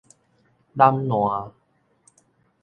荏懶